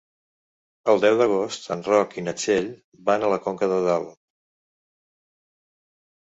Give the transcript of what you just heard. El deu d'agost en Roc i na Txell van a Conca de Dalt.